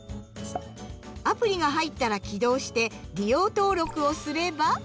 アプリが入ったら起動して「利用登録」をすれば。